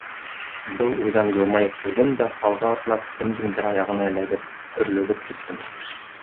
Был уйҙан йылмайып ҡуйҙым да, алға атлап, кемдеңдер аяғына эләгеп һөрлөгөп киттем.